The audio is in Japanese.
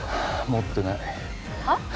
持ってないはっ？